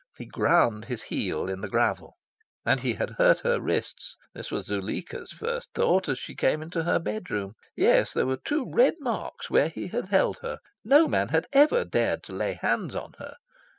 He ground his heel in the gravel. And he had hurt her wrists! This was Zuleika's first thought, as she came into her bedroom. Yes, there were two red marks where he had held her. No man had ever dared to lay hands on her.